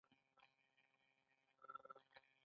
د ژبې پرمختګ د هغې د پراختیا د امکاناتو لپاره اړین دی.